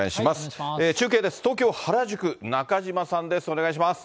お願いします。